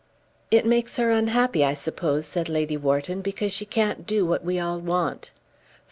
"It makes her unhappy, I suppose," said Lady Wharton, "because she can't do what we all want."